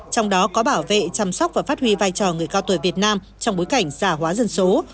trong bối cảnh gia hóa dân số